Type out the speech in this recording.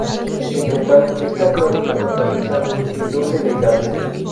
En total esta crónica totaliza en doce deidades.